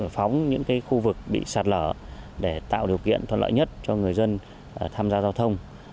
phóng những khu vực bị sạt lở để tạo điều kiện thuận lợi nhất cho người dân tham gia giao thông